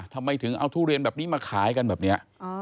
ทำไมถึงเอาทุเรียนแบบนี้มาขายกันแบบนี้